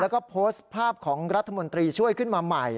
แล้วก็โพสต์ภาพของรัฐมนตรีช่วยขึ้นมาใหม่